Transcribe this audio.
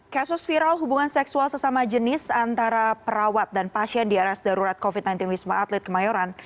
kasus viral hubungan seksual sesama jenis antara perawat dan pasien di rs darurat covid sembilan belas wisma atlet kemayoran